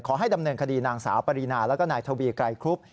ขอให้ดำเนินคดีนางสาวปรินาแล้วก็นายทวีไกรครุบ